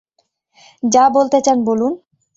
যা বলতে চান বলুন।